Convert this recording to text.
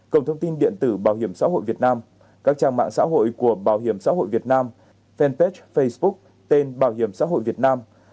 cổng thông tin điện tử bảo hiểm xã hội việt nam các trang mạng xã hội của bảo hiểm xã hội việt nam fanpage facebook tên bảo hiểm xã hội việt nam